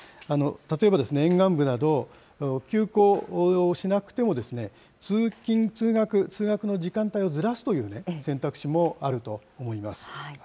例えば沿岸部など、休校しなくても通勤・通学の時間帯をずらすという選択肢もあると思います。